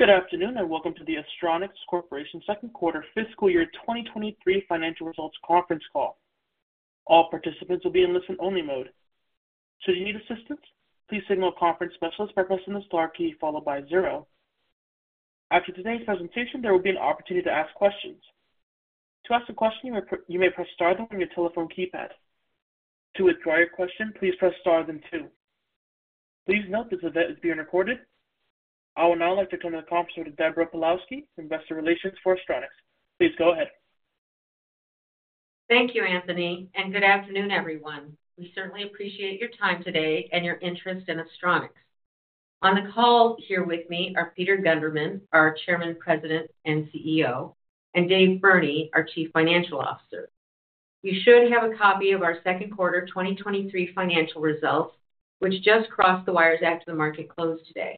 Good afternoon, and welcome to the Astronics Corporation second quarter FY23 Financial results conference call. All participants will be in listen-only mode. Should you need assistance, please signal a conference specialist by pressing the star key followed by zero After today's presentation, there will be an opportunity to ask questions. To ask a question, you may press star then on your telephone keypad. To withdraw your question, please press star then two. Please note this event is being recorded. I would now like to turn the conference over to Deborah Pawlowski, Investor Relations for Astronics. Please go ahead. Thank you, Anthony. Good afternoon, everyone. We certainly appreciate your time today and your interest in Astronics. On the call here with me are Peter Gundermann, our Chairman, President, and CEO, and Dave Burney, our Chief Financial Officer. You should have a copy of our second quarter 2023 financial results, which just crossed the wires after the market closed today.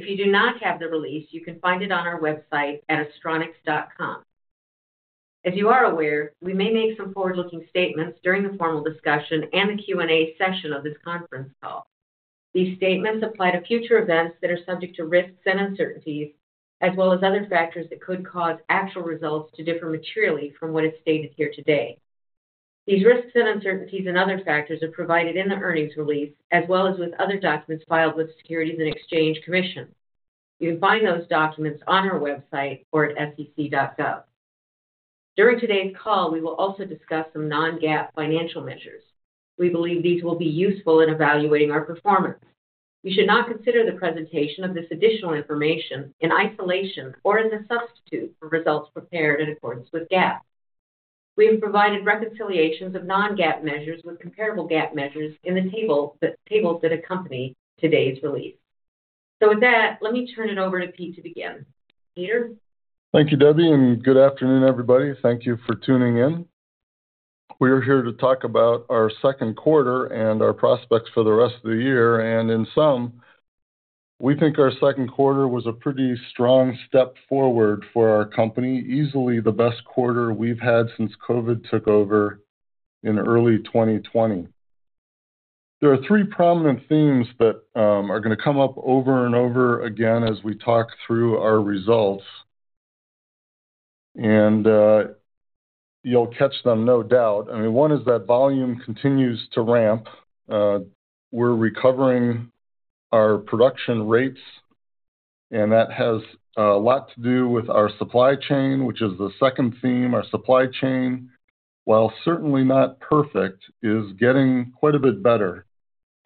If you do not have the release, you can find it on our website at astronics.com. As you are aware, we may make some forward-looking statements during the formal discussion and the Q&A session of this conference call. These statements apply to future events that are subject to risks and uncertainties, as well as other factors that could cause actual results to differ materially from what is stated here today. These risks and uncertainties and other factors are provided in the earnings release, as well as with other documents filed with the Securities and Exchange Commission. You can find those documents on our website or at sec.gov. During today's call, we will also discuss some non-GAAP financial measures. We believe these will be useful in evaluating our performance. You should not consider the presentation of this additional information in isolation or as a substitute for results prepared in accordance with GAAP. We have provided reconciliations of non-GAAP measures with comparable GAAP measures in the tables that accompany today's release. With that, let me turn it over to Pete to begin. Peter? Thank you, Debbie, and good afternoon, everybody. Thank you for tuning in. We are here to talk about our second quarter and our prospects for the rest of the year, and in some, we think our second quarter was a pretty strong step forward for our company, easily the best quarter we've had since COVID took over in early 2020. There are three prominent themes that are going to come up over and over again as we talk through our results, and you'll catch them, no doubt. I mean, one is that volume continues to ramp. We're recovering our production rates, and that has a lot to do with our supply chain, which is the second theme. Our supply chain, while certainly not perfect, is getting quite a bit better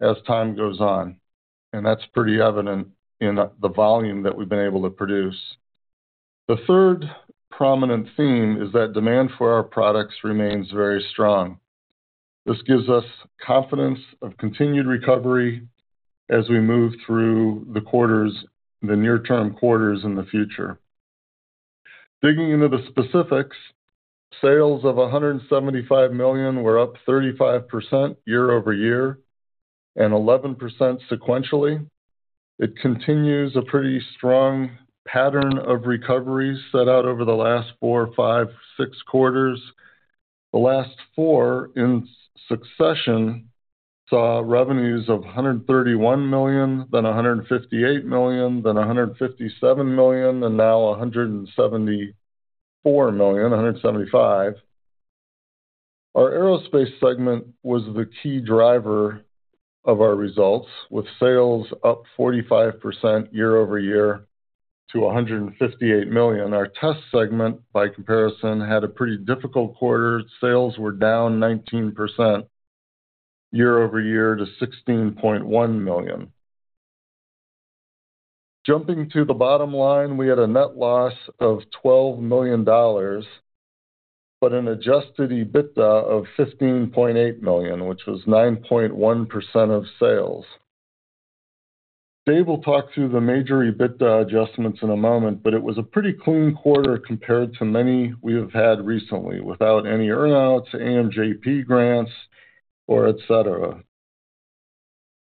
as time goes on, and that's pretty evident in the volume that we've been able to produce. The third prominent theme is that demand for our products remains very strong. This gives us confidence of continued recovery as we move through the quarters, the near-term quarters in the future. Digging into the specifics, sales of $175 million were up 35% year-over-year and 11% sequentially. It continues a pretty strong pattern of recovery set out over the last four, five, six quarters. The last four in succession saw revenues of $131 million, then $158 million, then $157 million, and now $174 million, $175 million. Our aerospace segment was the key driver of our results, with sales up 45% year over year to $158 million. Our test segment, by comparison, had a pretty difficult quarter. Sales were down 19% year over year to $16.1 million. Jumping to the bottom line, we had a net loss of $12 million, but an Adjusted EBITDA of $15.8 million, which was 9.1% of sales. Dave will talk through the major EBITDA adjustments in a moment, but it was a pretty clean quarter compared to many we have had recently, without any earn-outs, AMJP grants, or etcetera.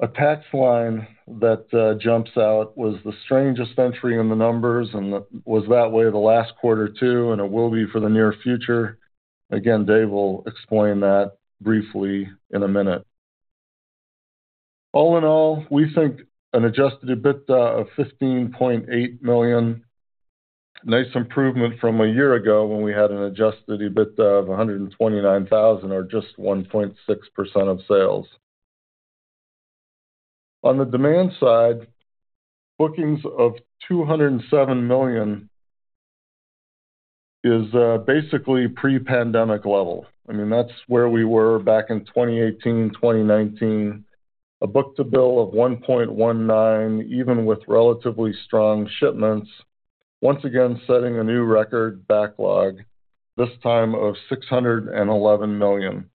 A tax line that jumps out was the strangest entry in the numbers and was that way the last quarter, too, and it will be for the near future. Again, Dave will explain that briefly in a minute. All in all, we think an Adjusted EBITDA of $15.8 million, nice improvement from a year ago when we had an Adjusted EBITDA of $129,000, or just 1.6% of sales. On the demand side, bookings of $207 million is basically pre-pandemic level. I mean, that's where we were back in 2018, 2019. A book-to-bill of 1.19, even with relatively strong shipments, once again setting a new record backlog, this time of $611 million.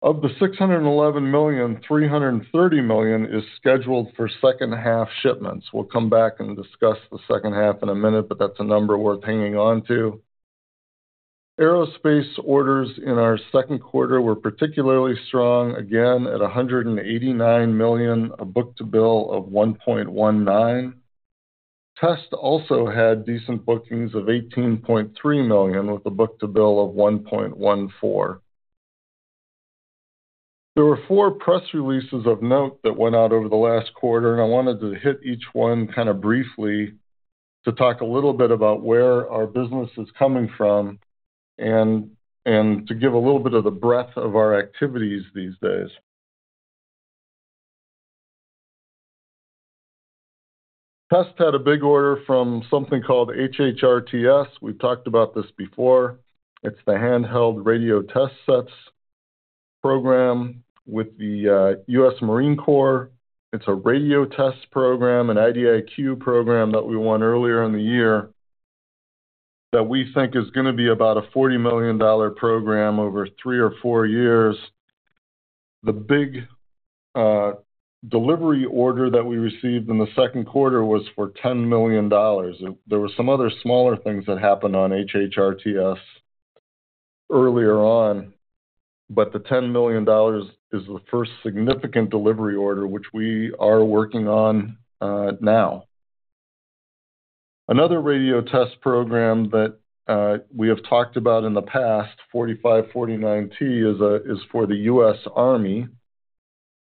Of the $611 million, $330 million is scheduled for second half shipments. That's a number worth hanging on to. Aerospace orders in our second quarter were particularly strong, again, at $189 million, a book-to-bill of 1.19. Test also had decent bookings of $18.3 million, with a book-to-bill of 1.14. There were four press releases of note that went out over the last quarter, and I wanted to hit each one kind of briefly to talk a little bit about where our business is coming from and to give a little bit of the breadth of our activities these days. Test had a big order from something called HHRTS. We've talked about this before. It's the Handheld Radio Test Sets program with the US Marine Corps. It's a radio test program, an IDIQ program that we won earlier in the year, that we think is gonna be about a $40 million program over three or four years. The big delivery order that we received in the second quarter was for $10 million. There were some other smaller things that happened on HHRTS earlier on, but the $10 million is the first significant delivery order, which we are working on now. Another radio test program that we have talked about in the past, TS-4549/T, is for the US Army.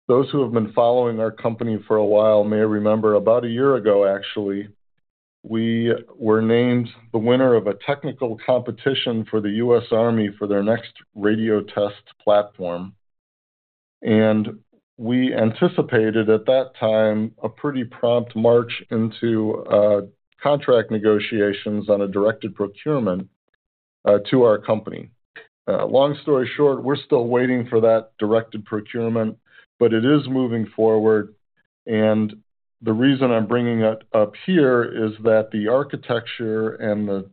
Those who have been following our company for a while may remember about a year ago, actually, we were named the winner of a technical competition for the US Army for their next radio test platform. We anticipated at that time, a pretty prompt march into contract negotiations on a directed procurement to our company. Long story short, we're still waiting for that directed procurement, but it is moving forward. The reason I'm bringing it up here is that the architecture and the,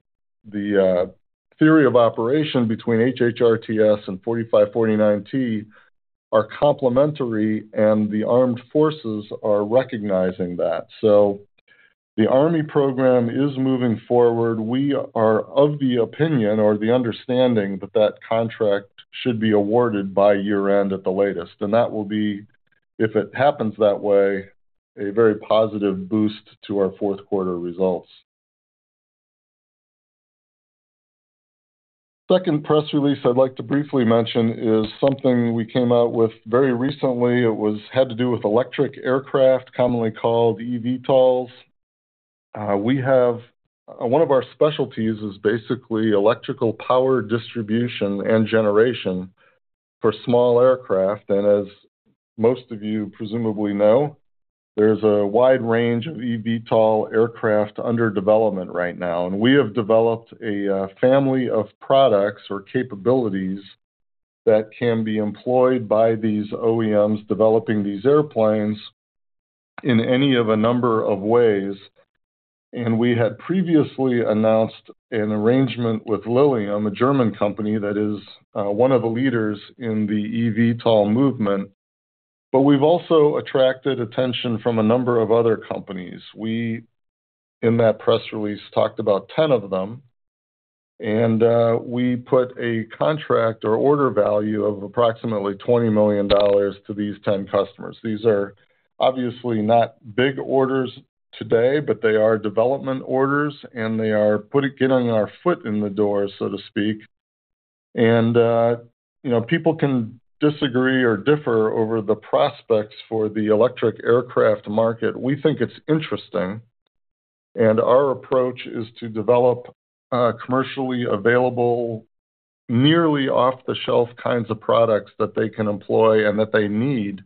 the theory of operation between HHRTS and 4549/T are complementary, and the Armed Forces are recognizing that. The Army program is moving forward. We are of the opinion or the understanding that that contract should be awarded by year-end at the latest, and that will be, if it happens that way, a very positive boost to our fourth quarter results. Second press release I'd like to briefly mention is something we came out with very recently. Had to do with electric aircraft, commonly called eVTOLs. One of our specialties is basically electrical power distribution and generation for small aircraft. As most of you presumably know, there's a wide range of eVTOL aircraft under development right now, and we have developed a family of products or capabilities that can be employed by these OEMs developing these airplanes in any of a number of ways. We had previously announced an arrangement with Lilium, a German company that is one of the leaders in the eVTOL movement. We've also attracted attention from a number of other companies. We, in that press release, talked about 10 of them, and we put a contract or order value of approximately $20 million to these 10 customers. These are obviously not big orders today, but they are development orders, and they are putting, getting our foot in the door, so to speak. You know, people can disagree or differ over the prospects for the electric aircraft market. We think it's interesting, and our approach is to develop commercially available, nearly off-the-shelf kinds of products that they can employ and that they need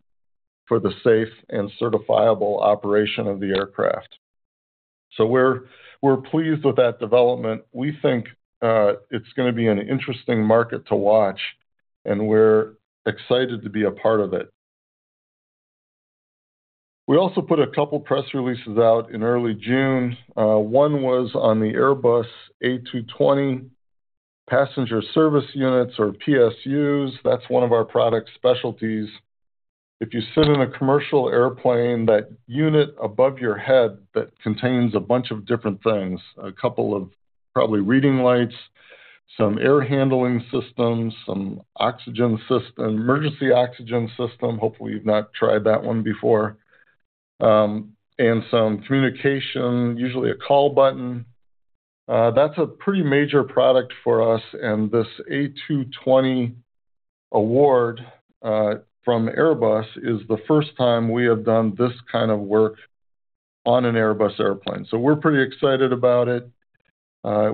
for the safe and certifiable operation of the aircraft. We're, we're pleased with that development. We think it's gonna be an interesting market to watch, and we're excited to be a part of it. We also put a couple of press releases out in early June. One was on the Airbus A220 Passenger Service Units or PSUs. That's one of our product specialties. If you sit in a commercial airplane, that unit above your head that contains a bunch of different things, a couple of probably reading lights, some air handling systems, some oxygen system, emergency oxygen system. Hopefully, you've not tried that one before. And some communication, usually a call button. That's a pretty major product for us, and this A220 award from Airbus is the first time we have done this kind of work on an Airbus airplane, so we're pretty excited about it.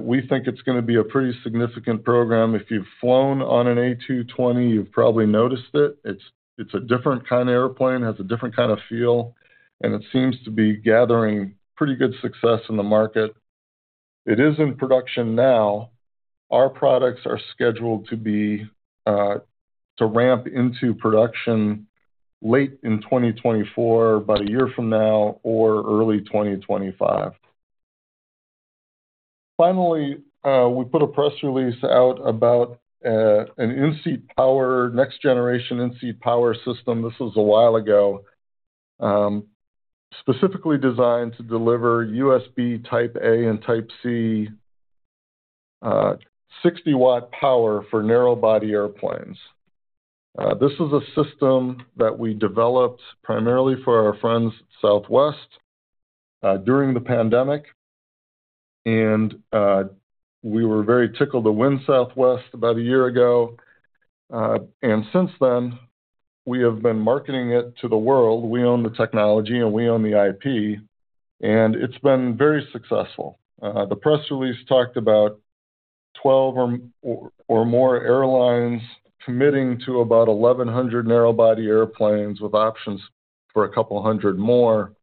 We think it's gonna be a pretty significant program. If you've flown on an A220, you've probably noticed it. It's, it's a different kind of airplane, has a different kind of feel, and it seems to be gathering pretty good success in the market. It is in production now. Our products are scheduled to be to ramp into production late in 2024, about a year from now or early 2025. Finally, we put a press release out about an in-seat power, next generation in-seat power system. This is a while ago, specifically designed to deliver USB Type A and Type-C 60-watt power for narrow body airplanes. This is a system that we developed primarily for our friends Southwest during the pandemic. We were very tickled to win Southwest about a year ago. Since then, we have been marketing it to the world. We own the technology, and we own the IP, and it's been very successful. The press release talked about 12 or, or, or more airlines committing to about 1,100 narrow body airplanes with options for 200 more.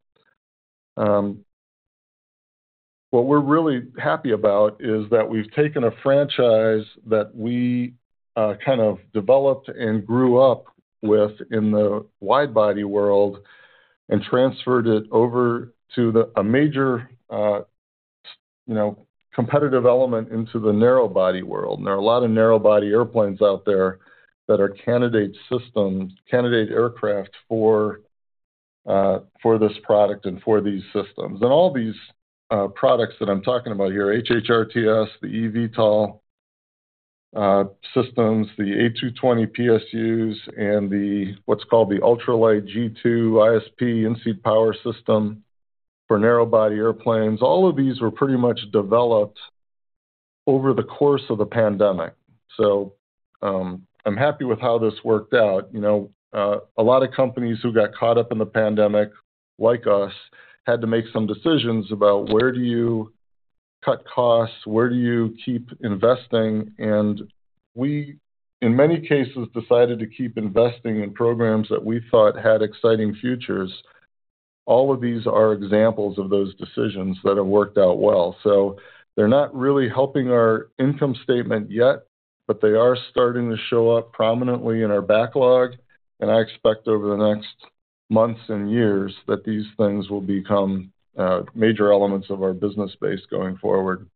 What we're really happy about is that we've taken a franchise that we, kind of developed and grew up with in the wide body world and transferred it over to a major, you know, competitive element into the narrow body world. There are a lot of narrow body airplanes out there that are candidate systems, candidate aircraft for this product and for these systems. All these products that I'm talking about here, HHRTS, the eVTOL systems, the A220 PSUs and the, what's called the UltraLite G2 ISP in-seat power system for narrow body airplanes. All of these were pretty much developed over the course of the pandemic. I'm happy with how this worked out. You know, a lot of companies who got caught up in the pandemic, like us, had to make some decisions about where do you cut costs, where do you keep investing? We, in many cases, decided to keep investing in programs that we thought had exciting futures. All of these are examples of those decisions that have worked out well. They're not really helping our income statement yet, but they are starting to show up prominently in our backlog, and I expect over the next months and years that these things will become major elements of our business base going forward.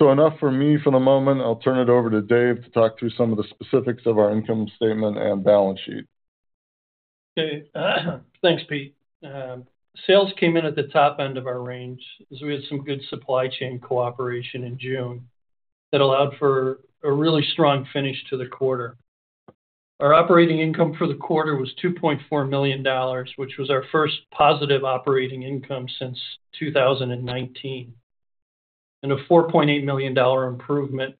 Enough from me for the moment. I'll turn it over to Dave to talk through some of the specifics of our income statement and balance sheet. Okay, thanks, Pete. Sales came in at the top end of our range, as we had some good supply chain cooperation in June that allowed for a really strong finish to the quarter. Our operating income for the quarter was $2.4 million, which was our first positive operating income since 2019, and a $4.8 million improvement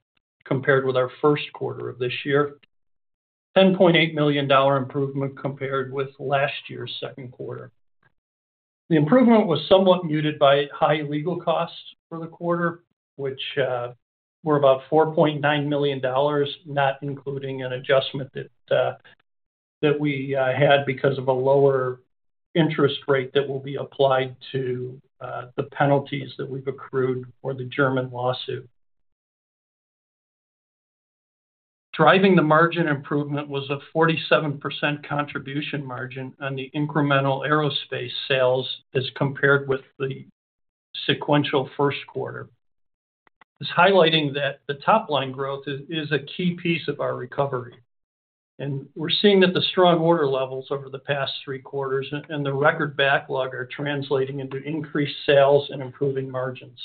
compared with our first quarter of this year. $10.8 million improvement compared with last year's second quarter. The improvement was somewhat muted by high legal costs for the quarter, which were about $4.9 million, not including an adjustment that we had because of a lower interest rate that will be applied to the penalties that we've accrued for the German lawsuit. Driving the margin improvement was a 47% contribution margin on the incremental aerospace sales as compared with the sequential first quarter. It's highlighting that the top-line growth is, is a key piece of our recovery, and we're seeing that the strong order levels over the past three quarters and, and the record backlog are translating into increased sales and improving margins.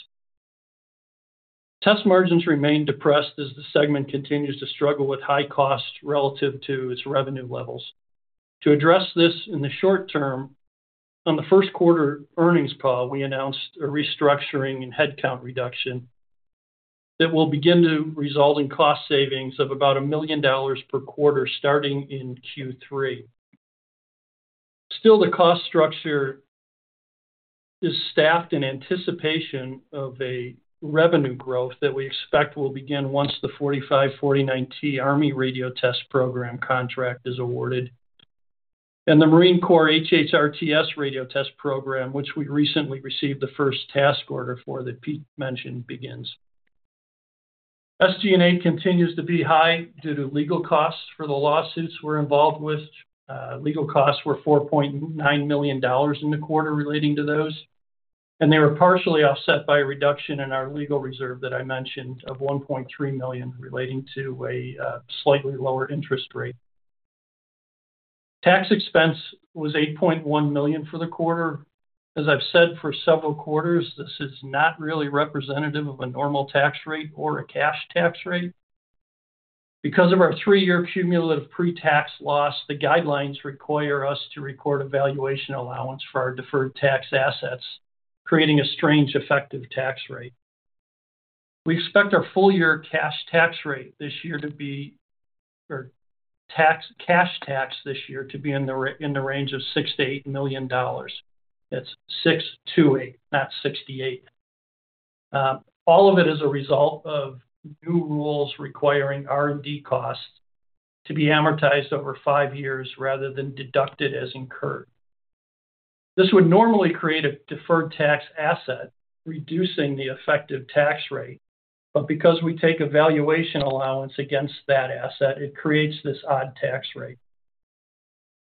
Test margins remain depressed as the segment continues to struggle with high costs relative to its revenue levels. To address this in the short term, on the first quarter earnings call, we announced a restructuring and headcount reduction that will begin to result in cost savings of about $1 million per quarter, starting in Q3. Still, the cost structure is staffed in anticipation of a revenue growth that we expect will begin once the TS-4549/T US Army Radio Test program contract is awarded, and the US Marine Corps HHRTS Radio Test program, which we recently received the first task order for, that Pete mentioned, begins. SG&A continues to be high due to legal costs for the lawsuits we're involved with. Legal costs were $4.9 million in the quarter relating to those, and they were partially offset by a reduction in our legal reserve that I mentioned, of $1.3 million, relating to a slightly lower interest rate. Tax expense was $8.1 million for the quarter. As I've said, for several quarters, this is not really representative of a normal tax rate or a cash tax rate. Because of our three-year cumulative pre-tax loss, the guidelines require us to record a valuation allowance for our deferred tax assets, creating a strange effective tax rate. We expect our full year cash tax rate this year to be in the range of $6 million-$8 million. That's 6-8, not 68. All of it is a result of new rules requiring R&D costs to be amortized over five years rather than deducted as incurred. This would normally create a deferred tax asset, reducing the effective tax rate. Because we take a valuation allowance against that asset, it creates this odd tax rate.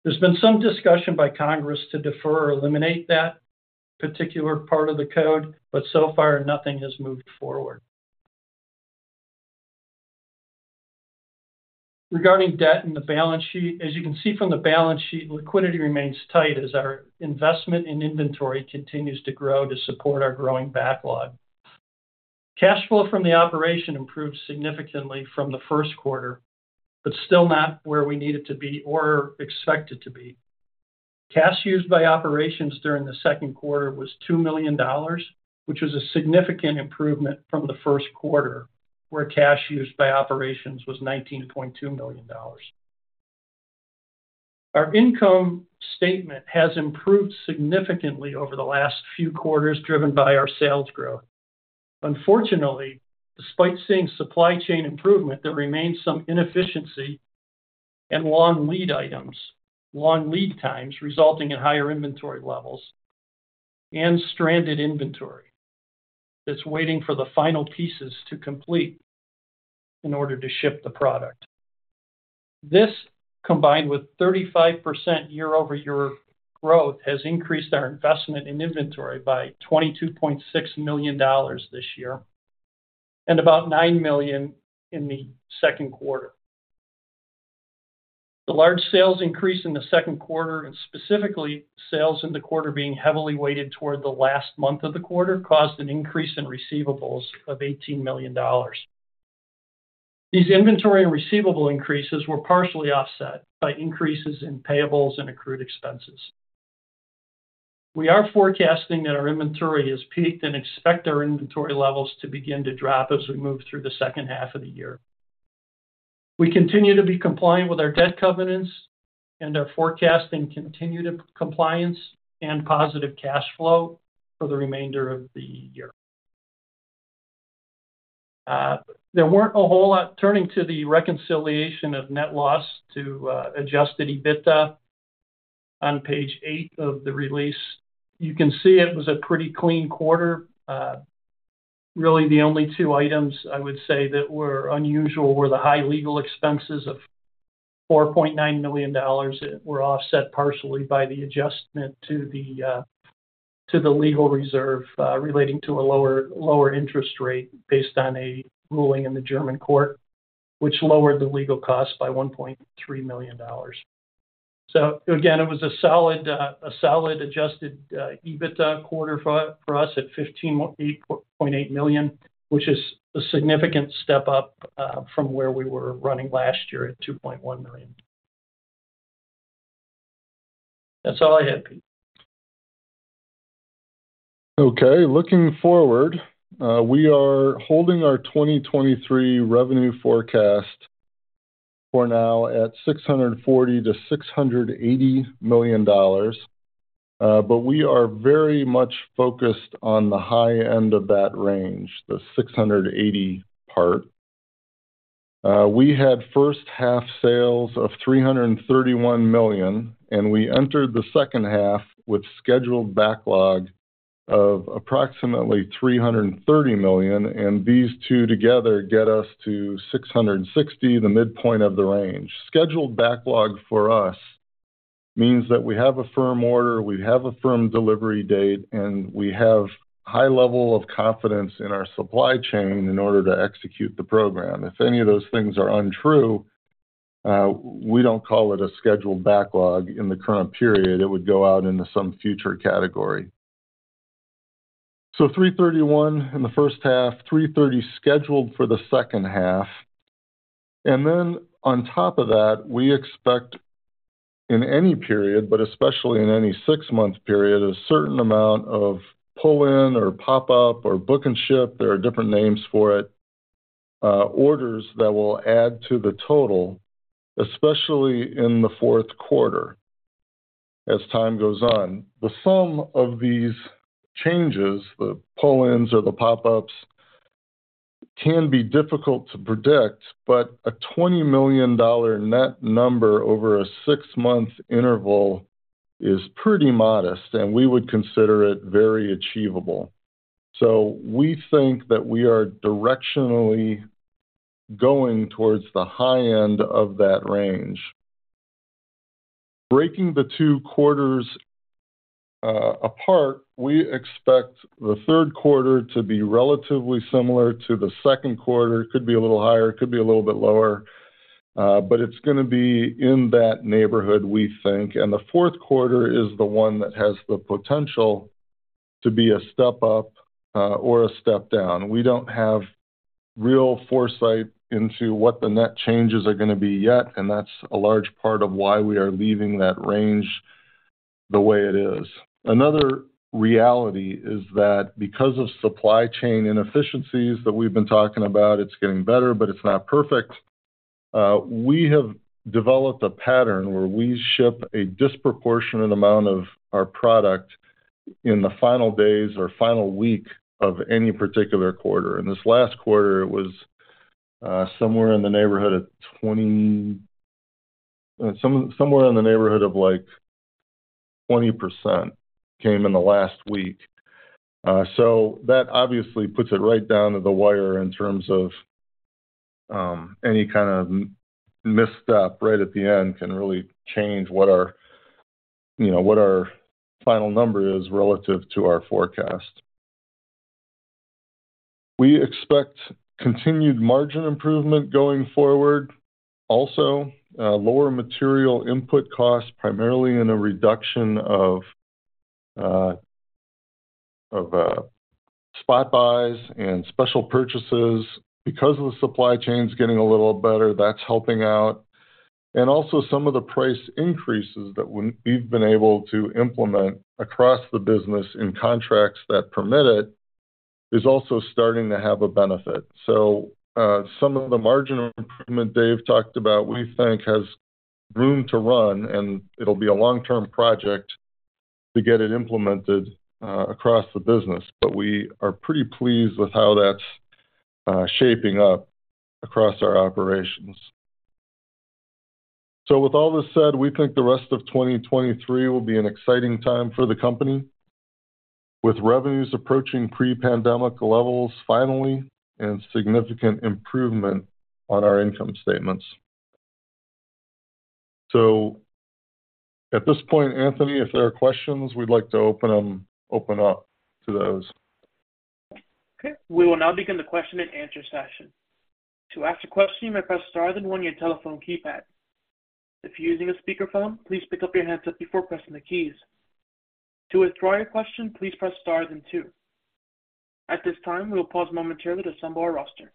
There's been some discussion by Congress to defer or eliminate that particular part of the code, so far, nothing has moved forward. Regarding debt and the balance sheet, as you can see from the balance sheet, liquidity remains tight as our investment in inventory continues to grow to support our growing backlog. Cash flow from the operation improved significantly from the first quarter, still not where we need it to be or expect it to be. Cash used by operations during the second quarter was $2 million, which was a significant improvement from the first quarter, where cash used by operations was $19.2 million. Our income statement has improved significantly over the last few quarters, driven by our sales growth. Unfortunately, despite seeing supply chain improvement, there remains some inefficiency and long lead items, long lead times resulting in higher inventory levels and stranded inventory that's waiting for the final pieces to complete in order to ship the product. This, combined with 35% year-over-year growth, has increased our investment in inventory by $22.6 million this year, and about $9 million in the second quarter. The large sales increase in the second quarter, and specifically sales in the quarter being heavily weighted toward the last month of the quarter, caused an increase in receivables of $18 million. These inventory and receivable increases were partially offset by increases in payables and accrued expenses. We are forecasting that our inventory has peaked and expect our inventory levels to begin to drop as we move through the second half of the year. We continue to be compliant with our debt covenants and are forecasting continued compliance and positive cash flow for the remainder of the year. there weren't a whole lot. Turning to the reconciliation of net loss to Adjusted EBITDA on page 8 of the release, you can see it was a pretty clean quarter. Really, the only two items I would say that were unusual were the high legal expenses of $4.9 million, that were offset partially by the adjustment to the legal reserve relating to a lower, lower interest rate based on a ruling in the German court, which lowered the legal costs by $1.3 million. Again, it was a solid, a solid Adjusted EBITDA quarter for us at $15.8 million, which is a significant step up from where we were running last year at $2.1 million. That's all I have. Okay, looking forward, we are holding our 2023 revenue forecast for now at $640 million-$680 million. We are very much focused on the high end of that range, the 680 part. We had first half sales of $331 million, we entered the second half with scheduled backlog of approximately $330 million, these two together get us to 660, the midpoint of the range. Scheduled backlog for us means that we have a firm order, we have a firm delivery date, and we have high level of confidence in our supply chain in order to execute the program. If any of those things are untrue, we don't call it a scheduled backlog in the current period. It would go out into some future category. Three thirty-one in the first half, 330 scheduled for the second half, and then on top of that, we expect in any period, but especially in any six-month period, a certain amount of pull-in or pop-up or book and ship, there are different names for it, orders that will add to the total, especially in the fourth quarter as time goes on. The sum of these changes, the pull-ins or the pop-ups, can be difficult to predict, but a $20 million net number over a six-month interval is pretty modest, and we would consider it very achievable. We think that we are directionally going towards the high end of that range. Breaking the two quarters apart, we expect the third quarter to be relatively similar to the second quarter. Could be a little higher, could be a little bit lower, but it's gonna be in that neighborhood, we think. The fourth quarter is the one that has the potential to be a step up or a step down. We don't have real foresight into what the net changes are gonna be yet, and that's a large part of why we are leaving that range the way it is. Another reality is that because of supply chain inefficiencies that we've been talking about, it's getting better, but it's not perfect, we have developed a pattern where we ship a disproportionate amount of our product in the final days or final week of any particular quarter. This last quarter, it was somewhere in the neighborhood of 20% came in the last week. That obviously puts it right down to the wire in terms of any kind of missed step right at the end can really change what our, you know, what our final number is relative to our forecast. We expect continued margin improvement going forward. Also, lower material input costs, primarily in a reduction of spot buys and special purchases. Because of the supply chains getting a little better, that's helping out. Also, some of the price increases that we, we've been able to implement across the business in contracts that permit it, is also starting to have a benefit. Some of the margin improvement Dave talked about, we think has room to run, and it'll be a long-term project to get it implemented across the business. We are pretty pleased with how that's shaping up across our operations. With all this said, we think the rest of 2023 will be an exciting time for the company, with revenues approaching pre-pandemic levels finally, and significant improvement on our income statements. At this point, Anthony, if there are questions, we'd like to open them, open up to those. Okay. We will now begin the question and answer session. To ask a question, you may press star then 1 on your telephone keypad. If you're using a speakerphone, please pick up your handset before pressing the keys. To withdraw your question, please press star then 2. At this time, we will pause momentarily to assemble our roster.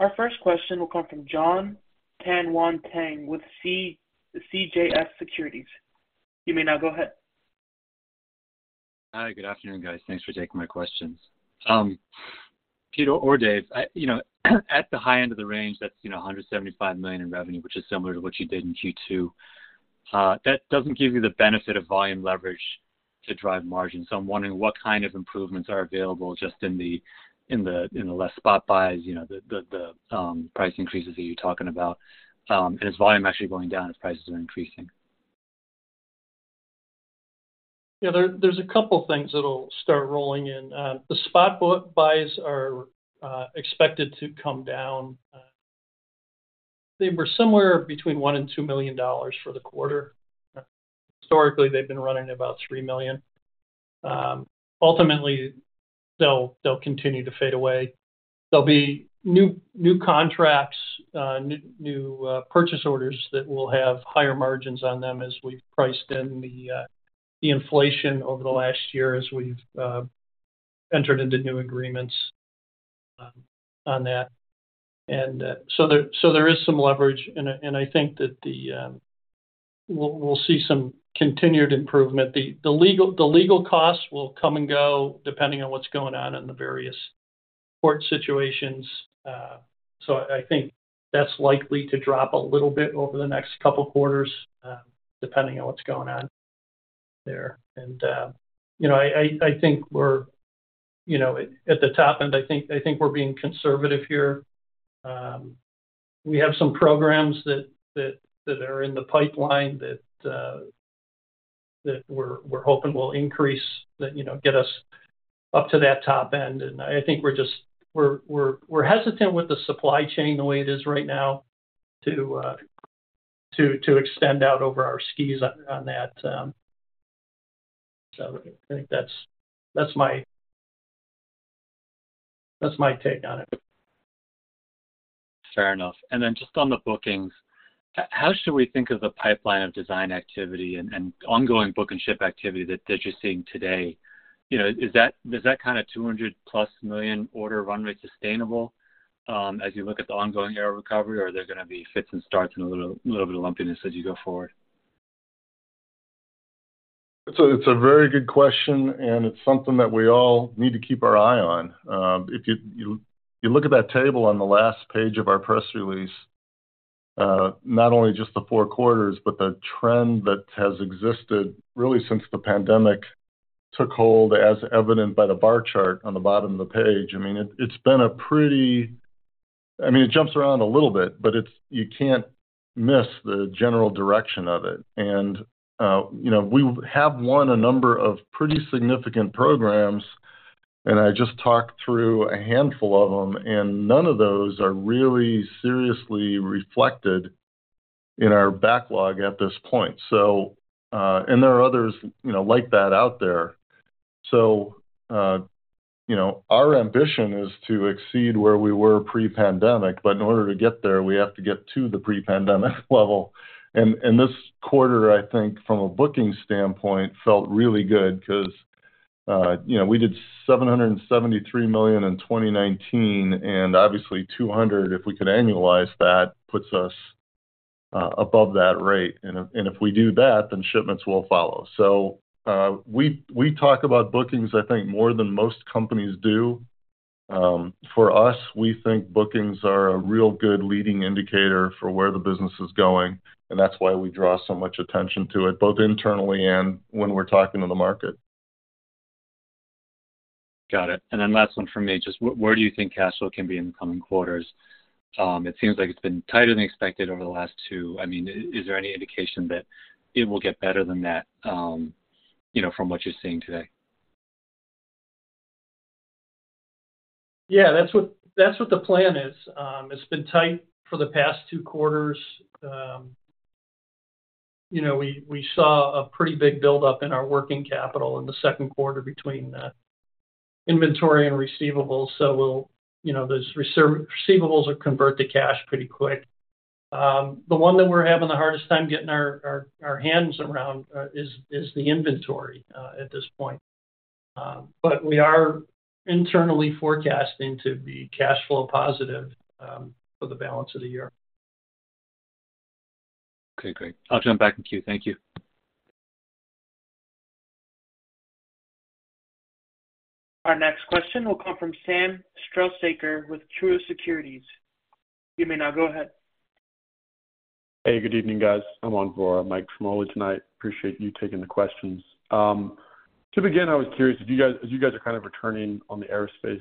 Our first question will come from Jon Tanwanteng with CJS Securities. You may now go ahead. Hi, good afternoon, guys. Thanks for taking my questions. Peter or Dave, you know, at the high end of the range, that's, you know, $175 million in revenue, which is similar to what you did in Q2. That doesn't give you the benefit of volume leverage to drive margins. I'm wondering what kind of improvements are available just in the, in the, in the less spot buys, you know, price increases that you're talking about, and is volume actually going down as prices are increasing? Yeah, there, there's a couple things that'll start rolling in. The spot buys are expected to come down. They were somewhere between $1 million and $2 million for the quarter. Historically, they've been running about $3 million. Ultimately, they'll, they'll continue to fade away. There'll be new, new contracts, new, new purchase orders that will have higher margins on them as we've priced in the inflation over the last year as we've entered into new agreements on that. So there, so there is some leverage, and I, and I think that the, we'll, we'll see some continued improvement. The, the legal, the legal costs will come and go depending on what's going on in the various court situations. I think that's likely to drop a little bit over the next couple quarters, depending on what's going on there. You know, I, I, I think we're, you know, at the top, and I think, I think we're being conservative here. We have some programs that, that, that are in the pipeline that, that we're, we're hoping will increase, that, you know, get us up to that top end. I think we're just, we're, we're, we're hesitant with the supply chain the way it is right now to, to, to extend out over our skis on, on that. I think that's, that's my, that's my take on it. Fair enough. Then just on the bookings, how should we think of the pipeline of design activity and ongoing book and ship activity that you're seeing today? You know, is that kind of $200+ million order run rate sustainable as you look at the ongoing air recovery, or are there gonna be fits and starts and a little bit of lumpiness as you go forward? It's a very good question, and it's something that we all need to keep our eye on. If you look at that table on the last page of our press release, not only just the 4 quarters, but the trend that has existed really since the pandemic took hold, as evident by the bar chart on the bottom of the page. I mean, it's been a pretty, I mean, it jumps around a little bit, but you can't miss the general direction of it. You know, we have won a number of pretty significant programs, and I just talked through a handful of them, and none of those are really seriously reflected in our backlog at this point, so. There are others, you know, like that out there. You know, our ambition is to exceed where we were pre-pandemic, but in order to get there, we have to get to the pre-pandemic level. This quarter, I think, from a booking standpoint, felt really good 'cause, you know, we did $773 million in 2019, and obviously $200 million, if we could annualize that, puts us above that rate. If, and if we do that, then shipments will follow. We, we talk about bookings, I think, more than most companies do. For us, we think bookings are a real good leading indicator for where the business is going, and that's why we draw so much attention to it, both internally and when we're talking to the market. Got it. Then last one from me, just where do you think cash flow can be in the coming quarters? It seems like it's been tighter than expected over the last two. I mean, is, is there any indication that it will get better than that, you know, from what you're seeing today? Yeah, that's what, that's what the plan is. It's been tight for the past two quarters. You know, we, we saw a pretty big buildup in our working capital in the second quarter between inventory and receivables. We'll, you know, those receivables will convert to cash pretty quick. The one that we're having the hardest time getting our, our, our hands around is, is the inventory at this point. We are internally forecasting to be cash flow positive for the balance of the year. Okay, great. I'll jump back in queue. Thank you. Our next question will come from Sam Struhsaker with Truist Securities. You may now go ahead. Hey, good evening, guys. I'm on for Mike Ciarmoli tonight. Appreciate you taking the questions. To begin, I was curious, as you guys are kind of returning on the aerospace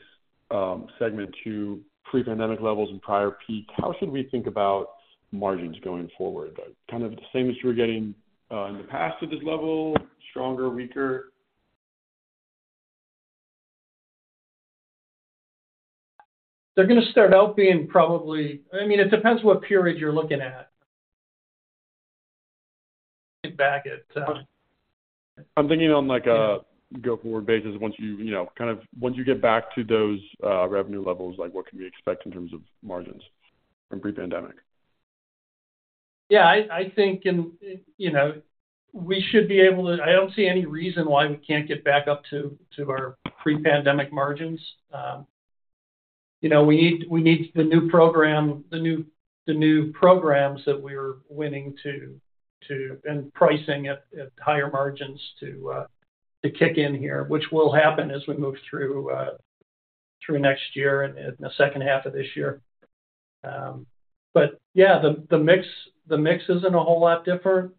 segment to pre-pandemic levels and prior peaks, how should we think about margins going forward? Like, kind of the same as you were getting in the past at this level? Stronger, weaker? They're gonna start out being probably. I mean, it depends what period you're looking at. Get back it. I'm thinking on, like, a go-forward basis. Once you, you know, kind of once you get back to those revenue levels, like, what can we expect in terms of margins from pre-pandemic? Yeah, I think in, you know, we should be able to, I don't see any reason why we can't get back up to our pre-pandemic margins. You know, we need the new programs that we're winning and pricing at higher margins to kick in here, which will happen as we move through next year and the second half of this year. Yeah, the mix isn't a whole lot different.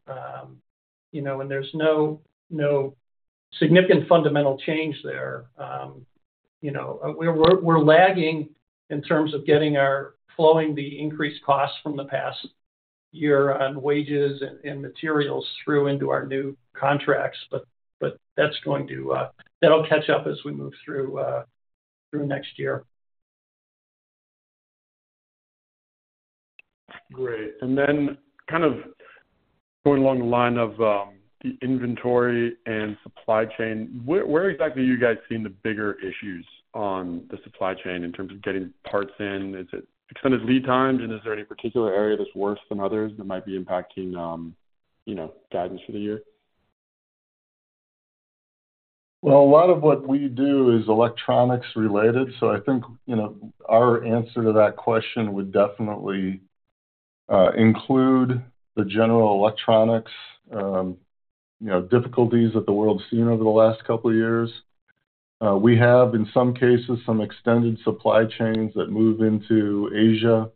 You know, there's no significant fundamental change there. You know, we're lagging in terms of flowing the increased costs from the past year on wages and materials through into our new contracts. That'll catch up as we move through next year. Great. Then kind of going along the line of, the inventory and supply chain, where, where exactly are you guys seeing the bigger issues on the supply chain in terms of getting parts in? Is it extended lead times, and is there any particular area that's worse than others that might be impacting, you know, guidance for the year? Well, a lot of what we do is electronics related, so I think, you know, our answer to that question would definitely include the general electronics, you know, difficulties that the world's seen over the last couple of years. We have, in some cases, some extended supply chains that move into Asia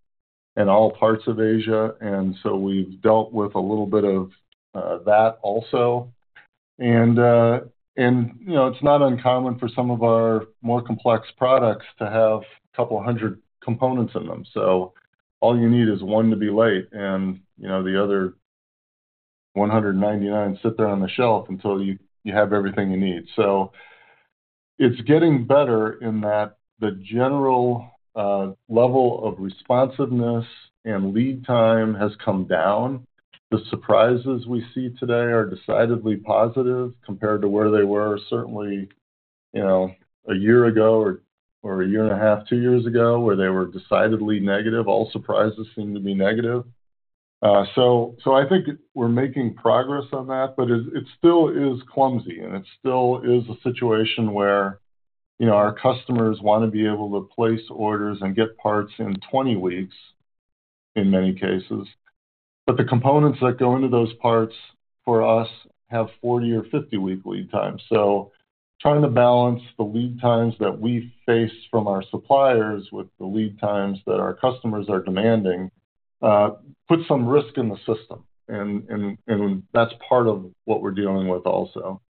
and all parts of Asia, so we've dealt with a little bit of that also. You know, it's not uncommon for some of our more complex products to have a couple hundred components in them. All you need is one to be late, and, you know, the other 199 sit there on the shelf until you, you have everything you need. It's getting better in that the general level of responsiveness and lead time has come down. The surprises we see today are decidedly positive compared to where they were certainly, you know, a year ago or, or a year and a half, two years ago, where they were decidedly negative. All surprises seem to be negative. I think we're making progress on that, but it, it still is clumsy, and it still is a situation where, you know, our customers want to be able to place orders and get parts in 20 weeks, in many cases. The components that go into those parts for us have 40 or 50-week lead times. Trying to balance the lead times that we face from our suppliers with the lead times that our customers are demanding, puts some risk in the system, and that's part of what we're dealing with also.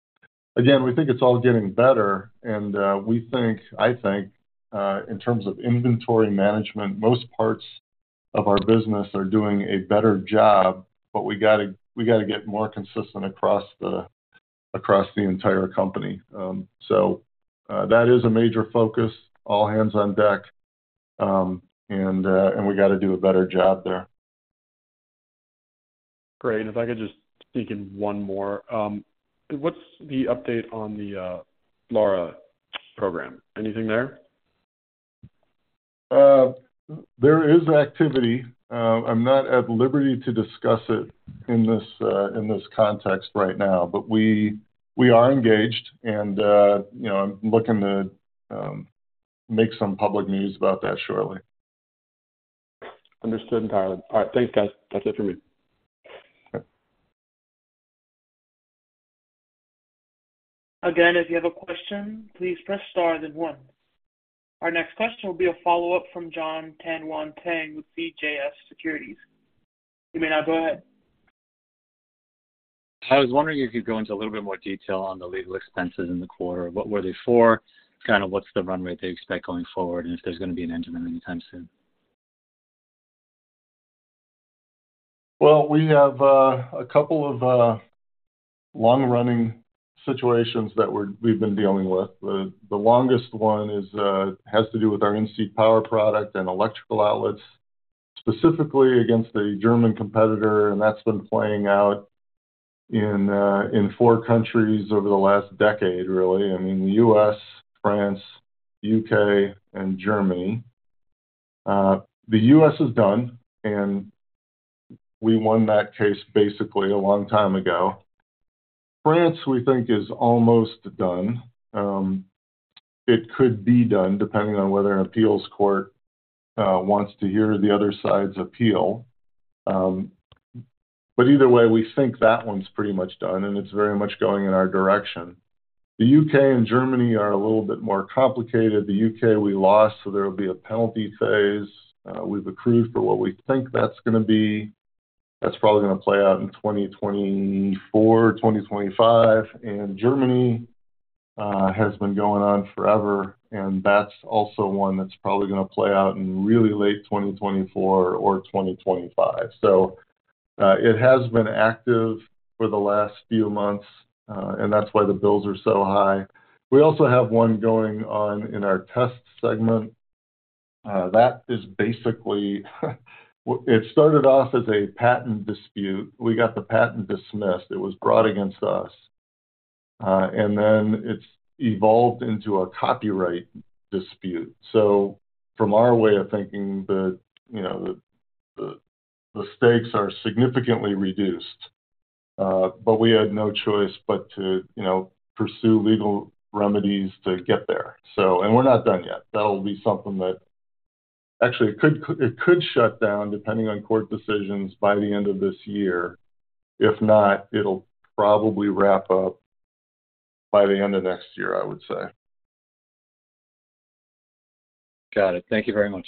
Again, we think it's all getting better, and we think, I think, in terms of inventory management, most parts of our business are doing a better job, but we gotta, we gotta get more consistent across the, across the entire company. That is a major focus, all hands on deck, and we gotta do a better job there. Great. If I could just sneak in one more. What's the update on the LARA program? Anything there? There is activity. I'm not at liberty to discuss it in this, in this context right now, but we, we are engaged and, you know, I'm looking to make some public news about that shortly. Understood entirely. All right, thanks, guys. That's it for me. Okay. Again, if you have a question, please press star then one. Our next question will be a follow-up from Jon Tanwanteng with CJS Securities. You may now go ahead. I was wondering if you could go into a little bit more detail on the legal expenses in the quarter. What were they for? Kind of what's the run rate that you expect going forward, and if there's going to be an enactment anytime soon. Well, we have a couple of long-running situations that we're, we've been dealing with. The longest one is has to do with our in-seat power product and electrical outlets, specifically against a German competitor, and that's been playing out in four countries over the last decade, really. I mean, the U.S., France, U.K., and Germany. The U.S. is done, we won that case basically a long time ago. France, we think, is almost done. It could be done, depending on whether an appeals court wants to hear the other side's appeal. Either way, we think that one's pretty much done, and it's very much going in our direction. The U.K. and Germany are a little bit more complicated. The U.K., we lost, there will be a penalty phase. We've accrued for what we think that's gonna be. That's probably gonna play out in 2024, 2025. Germany has been going on forever, and that's also one that's probably gonna play out in really late 2024 or 2025. It has been active for the last few months, and that's why the bills are so high. We also have one going on in our test segment. That is basically, it started off as a patent dispute. We got the patent dismissed. It was brought against us, and then it's evolved into a copyright dispute. From our way of thinking, the, you know, the, the stakes are significantly reduced, but we had no choice but to, you know, pursue legal remedies to get there. We're not done yet. Actually, it could, it could shut down, depending on court decisions, by the end of this year. If not, it'll probably wrap up by the end of next year, I would say. Got it. Thank you very much.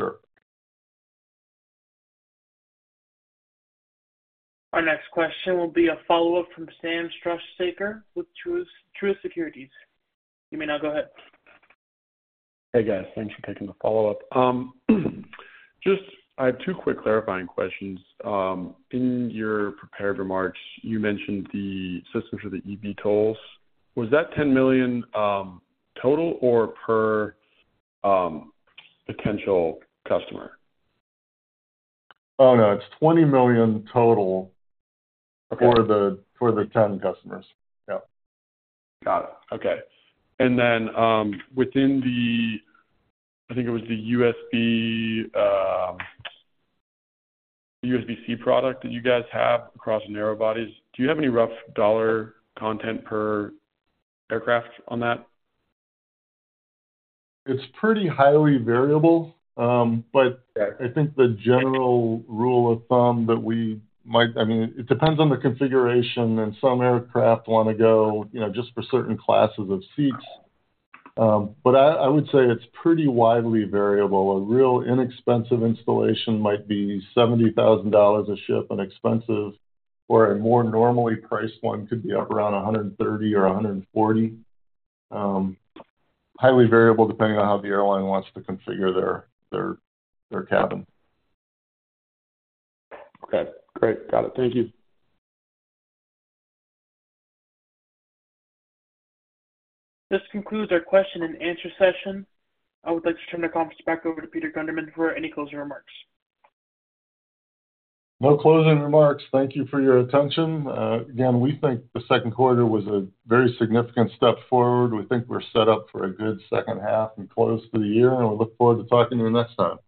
Sure. Our next question will be a follow-up from Sam Struhsaker with Truist, Truist Securities. You may now go ahead. Hey, guys. Thanks for taking the follow-up. Just I have two quick clarifying questions. In your prepared remarks, you mentioned the systems for the eVTOLs. Was that $10 million total or per potential customer? Oh, no, it's $20 million total. Okay. for the, for the 10 customers. Yep. Got it. Okay. Within the, I think it was the USB, USB-C product that you guys have across narrow bodies, do you have any rough dollar content per aircraft on that? It's pretty highly variable. Yeah. I think the general rule of thumb that we might. I mean, it depends on the configuration, and some aircraft wanna go, you know, just for certain classes of seats. I, I would say it's pretty widely variable. A real inexpensive installation might be $70,000 a ship, and expensive or a more normally priced one could be up around $130,000 or $140,000. Highly variable, depending on how the airline wants to configure their, their, their cabin. Okay, great. Got it. Thank you. This concludes our question and answer session. I would like to turn the conference back over to Peter Gundermann for any closing remarks. No closing remarks. Thank you for your attention. Again, we think the second quarter was a very significant step forward. We think we're set up for a good second half and close to the year, and we look forward to talking to you next time.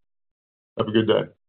Have a good day.